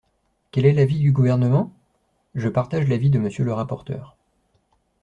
Quel est l’avis du Gouvernement ? Je partage l’avis de Monsieur le rapporteur.